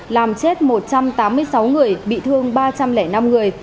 làm chết một trăm tám mươi sáu người bị thương ba trăm linh năm người